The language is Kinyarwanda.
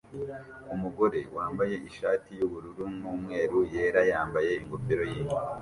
Umugore wambaye ishati yubururu numweru yera yambaye ingofero yinka